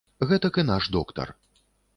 Гэтак і наш доктар.